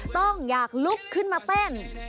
ต้องอยากลุกขึ้นมาเต้น